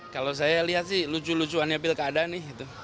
kalau saya lihat sih lucu lucuannya pilkada nih